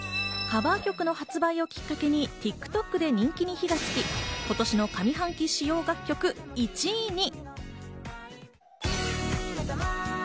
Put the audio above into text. カバー曲の発売をきっかけにＴｉｋＴｏｋで人気に火がつき、今年の上半期使用楽曲１位に。